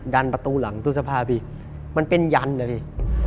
ดันประตูหลังตู้เสื้อผ้าไปมันเป็นยันนะพี่